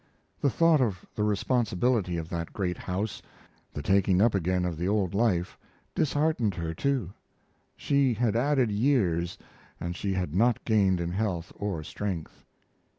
The thought of the responsibility of that great house the taking up again of the old life disheartened her, too. She had added years and she had not gained in health or strength.